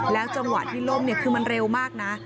แล้วจังหวัดที่ล่มเนี่ยคือมันเร็วมากนะ